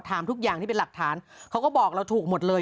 ทุกอย่างที่เป็นหลักฐานเขาก็บอกเราถูกหมดเลย